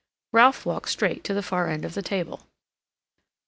Ralph walked straight to the far end of the table.